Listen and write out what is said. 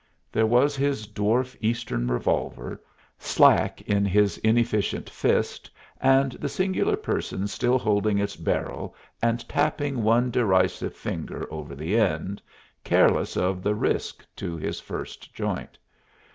There was his dwarf Eastern revolver, slack in his inefficient fist, and the singular person still holding its barrel and tapping one derisive finger over the end, careless of the risk to his first joint.